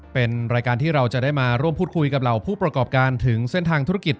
เป็นรายการที่เราจะได้มาร่วมพูดคุยกับเหล่าผู้ประกอบการถึงเส้นทางธุรกิจ